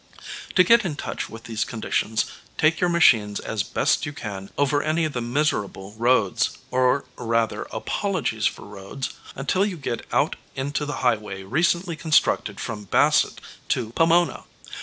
To get in touch with these conditions, take your machines as best you can over any of the miserable roads, or rather apologies for roads, until you get out into the highway recently constructed from Basset to Pomona.